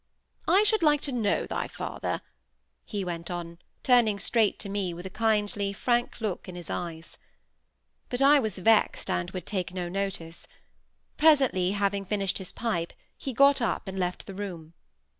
I should like to know thy father," he went on, turning straight to me, with a kindly, frank look in his eyes. But I was vexed, and would take no notice. Presently, having finished his pipe, he got up and left the room.